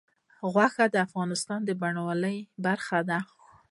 غوښې د افغانستان د بڼوالۍ برخه ده.